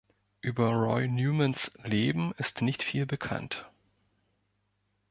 Über Roy Newmans Leben ist nicht viel bekannt.